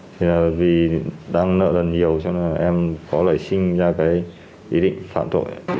thì là vì đang nợ lần nhiều cho nên là em có lợi sinh ra cái ý định phạm tội